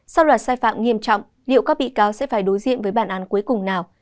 sau loạt sai phạm nghiêm trọng liệu các bị cáo sẽ phải đối diện với bản án cuối cùng nào